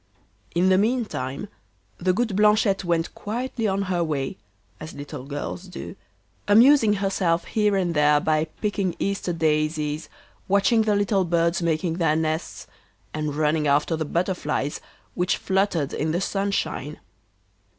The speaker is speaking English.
In the meantime the good Blanchette went quietly on her way, as little girls do, amusing herself here and there by picking Easter daisies, watching the little birds making their nests, and running after the butterflies which fluttered in the sunshine.